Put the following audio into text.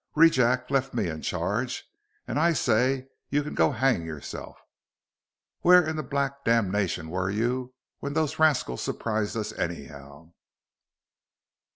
Rejack left me in charge, and I say you can go hang yourself. Where in the black damnation were you when those rascals surprised us, anyhow?"